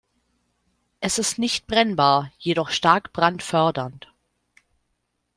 Es ist nicht brennbar, jedoch stark brandfördernd.